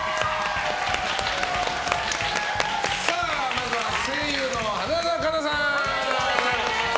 まずは声優の花澤香菜さん。